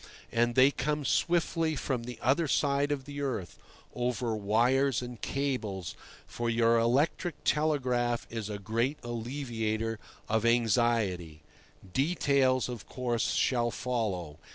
And they come swiftly from the other side of the earth, over wires and cables, for your electric telegraph is a great alleviator of anxiety. Details, of course, shall follow.